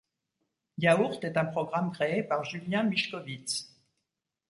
Yaourt est un programme créé par Julien Mischkowitz.